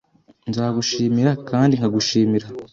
Nzagushimira kandi nkagushimira